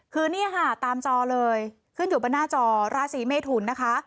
คือนี่ค่ะตามจอเลยขึ้นอยู่บนหน้าจอราศีเมทุนนะคะ